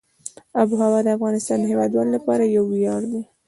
آب وهوا د افغانستان د هیوادوالو لپاره یو ویاړ دی.